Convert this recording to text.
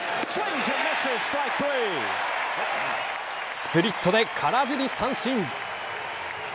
スプリットで空振り三振。